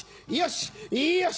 よし！